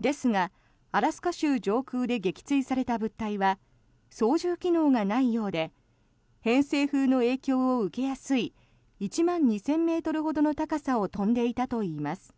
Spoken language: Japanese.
ですが、アラスカ州上空で撃墜された物体は操縦機能がないようで偏西風の影響を受けやすい１万２０００ｍほどの高さを飛んでいたといいます。